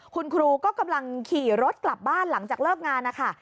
คุณครูก็กำลังขี่รถกลับบ้านหลังจากเลิกงานนะคะ